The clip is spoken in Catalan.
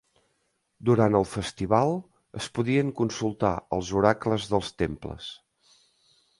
Durant el festival es podien consultar els oracles dels temples.